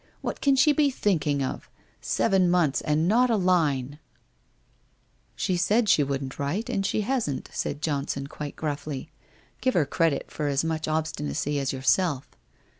What can she be thinking of ? Seven months and not a line !'* She said she wouldn't write, and she hasn't,' said Johnson quite gruffly. ' Give her credit for as much obstinacy as yourself.